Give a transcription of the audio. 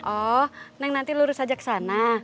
oh neng nanti lurus aja ke sana